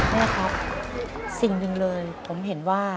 นี่ครับสิ่งหนึ่งเลยผมเห็นว่า